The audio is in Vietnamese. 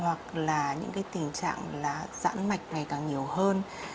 hoặc là những tình trạng giãn mạch ngày càng nhiều hơn